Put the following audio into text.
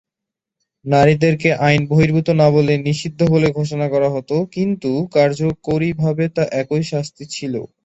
নারীদেরকে আইন-বহির্ভূত না বলে "নিষিদ্ধ" বলে ঘোষণা করা হত কিন্তু কার্যকরীভাবে তা একই শাস্তি ছিল।